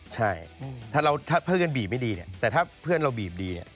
ใช่ถ้าเพื่อนกันบีบไม่ดีเนี่ยแต่ถ้าเพื่อนเราบีบดี